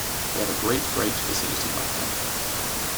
We have a great, great facility right now.